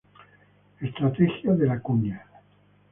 Estrategia de la cuña